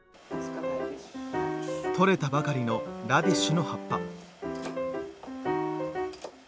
とれたばかりのラディッシュの葉っぱ。